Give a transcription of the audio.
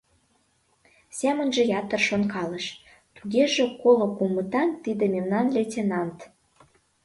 Семынже ятыр шонкалыш: «Тугеже Коло кумытан — тиде мемнан лейтенант...»